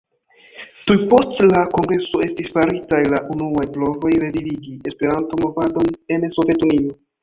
Tuj post la kongreso estis faritaj la unuaj provoj revivigi Esperanto-movadon en Sovetunio.